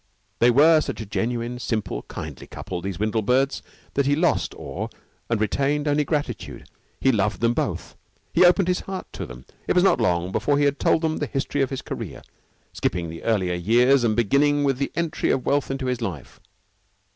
They were such a genuine, simple, kindly couple, these Windlebirds, that he lost awe and retained only gratitude. He loved them both. He opened his heart to them. It was not long before he had told them the history of his career, skipping the earlier years and beginning with the entry of wealth into his life.